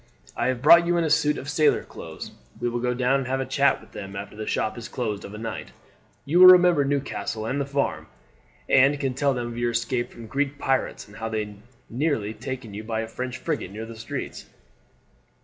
I have brought you in a suit of sailor clothes; we will go down and have a chat with them after the shop is closed of a night. You will remember Newcastle and the farm, and can tell them of your escape from Greek pirates, and how nearly you were taken by a French frigate near the straits."